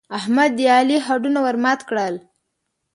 احمد د علي هډونه ور مات کړل.